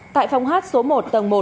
tại phòng hát số một tầng một